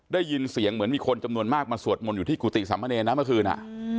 ได้ยินเสียงเหมือนมีคนจำนวนมากมาสวดมนต์อยู่ที่กุฏิสามเนรนะเมื่อคืน